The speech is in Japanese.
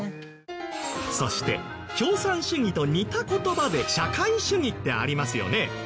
そして共産主義と似た言葉で社会主義ってありますよね。